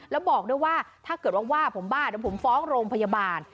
แล้วบอกด้วยว่าถ้าเกิดว่าว่าผมบ้าเดี๋ยวผมฟ้องโรงพยาบาล